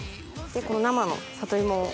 この生の里芋を。